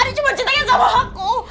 adi cuma cintanya sama aku